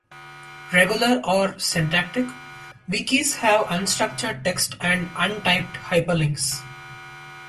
Regular, or syntactic, wikis have structured text and untyped hyperlinks.